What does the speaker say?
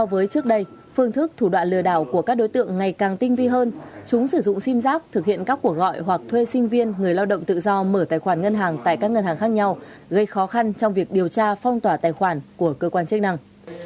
với trước đây phương thức thủ đoạn lừa đảo của các đối tượng ngày càng tinh vi hơn chúng sử dụng sim giác thực hiện các cuộc gọi hoặc thuê sinh viên người lao động tự do mở tài khoản ngân hàng tại các ngân hàng khác nhau gây khó khăn trong việc điều tra phong tỏa tài khoản của cơ quan chức năng